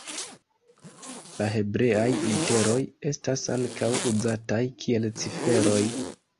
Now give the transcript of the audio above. La hebreaj literoj estas ankaŭ uzataj kiel ciferoj.